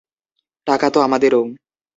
টাকা তো আমাদেরও।